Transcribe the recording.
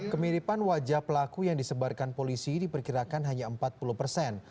kemiripan wajah pelaku yang disebarkan polisi diperkirakan hanya empat puluh persen